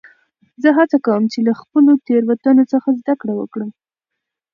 زه هڅه کوم، چي له خپلو تیروتنو څخه زدکړم وکړم.